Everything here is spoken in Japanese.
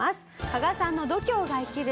「加賀さんの度胸が生きる